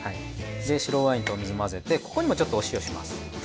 で白ワインとお水混ぜてここにもちょっとお塩します。